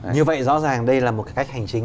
như vậy rõ ràng đây là một cái cách hành chính